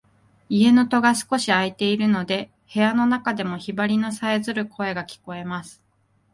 家の戸が少し開いているので、部屋の中でもヒバリのさえずる声が聞こえます。